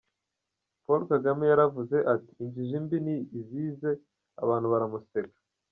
Paul Kagame yaravuze ati injiji mbi ni izize abantu baramuseka!